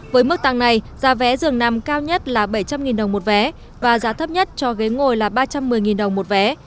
với mức tăng này giá vé dường nằm cao nhất là bảy trăm linh đồng một vé và giá thấp nhất cho ghế ngồi là ba trăm một mươi đồng một vé